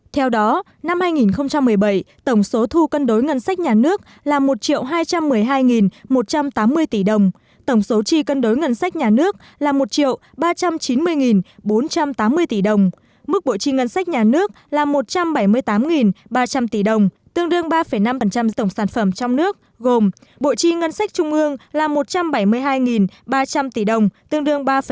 theo đó năm hai nghìn một mươi bảy tổng số thu cân đối ngân sách nhà nước là một hai trăm một mươi hai một trăm tám mươi tỷ đồng tổng số tri cân đối ngân sách nhà nước là một ba trăm chín mươi bốn trăm tám mươi tỷ đồng mức bộ tri ngân sách nhà nước là một trăm bảy mươi tám ba trăm linh tỷ đồng tương đương ba năm tổng sản phẩm trong nước gồm bộ tri ngân sách trung ương là một trăm bảy mươi hai ba trăm linh tỷ đồng tương đương ba ba mươi tám gdp